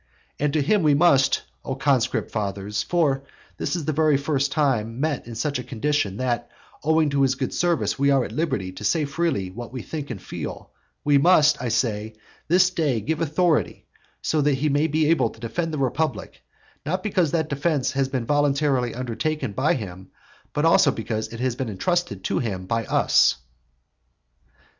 And to him we must, O conscript fathers, (for this is the first time, met in such a condition, that, owing to his good service, we are at liberty to say freely what we think and feel,) we must, I say, this day give authority, so that he may be able to defend the republic, not because that defence has been voluntarily undertaken by him but also because it has been entrusted to him by us.